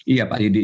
iya pak didik